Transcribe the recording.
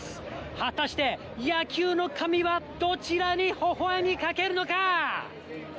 果たして野球の神はどちらにほほえみかけるのか。